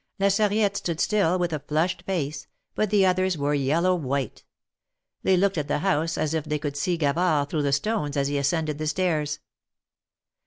La Sarriette stood still, with a flushed face, but the others were yellow white. They looked at the house as if they could see Gavard through the stones as he ascended the stairs.